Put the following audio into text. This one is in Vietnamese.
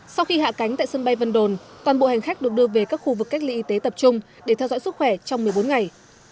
sau khi hạ cánh tại sân bay vân đồn toàn bộ hành khách được đưa về các khu vực cách ly y tế tập trung để theo dõi sức khỏe trong một mươi bốn ngày